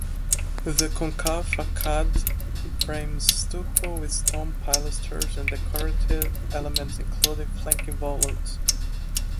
The concave facade frames stucco with stone pilasters and decorative elements including flanking volutes.